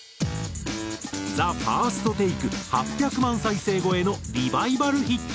ＴＨＥＦＩＲＳＴＴＡＫＥ８００万再生超えのリバイバルヒット。